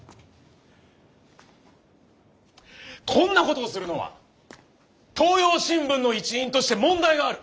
こんなことをするのは東洋新聞の一員として問題がある。